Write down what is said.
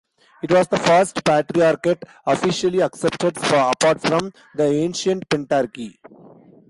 It was the first Patriarchate officially accepted, apart from the ancient Pentarchy.